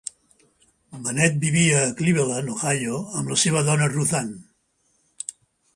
Bennett vivia a Cleveland, Ohio, amb la seva dona Ruth Ann.